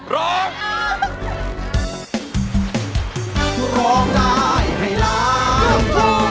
ร้อง